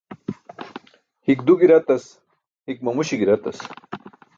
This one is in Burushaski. Hik du gi̇ratas, hik mamuśi̇ gi̇ratas.